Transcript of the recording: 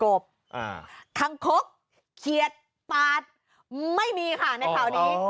คางคกเขียดปาดไม่มีค่ะในข่าวนี้